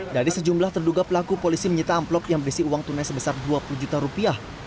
dari sejumlah terduga pelaku polisi menyita amplop yang berisi uang tunai sebesar dua puluh juta rupiah